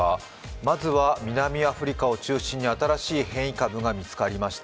まずは南アフリカを中心に新しい変異株が見つかりました。